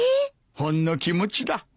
ほんの気持ちだ。